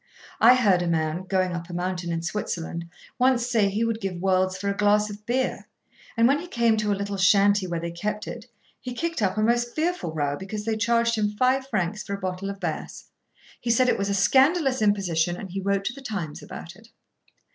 I heard a man, going up a mountain in Switzerland, once say he would give worlds for a glass of beer, and, when he came to a little shanty where they kept it, he kicked up a most fearful row because they charged him five francs for a bottle of Bass. He said it was a scandalous imposition, and he wrote to the Times about it.